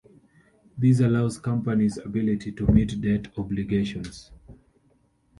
This allows company's ability to meet debt obligations.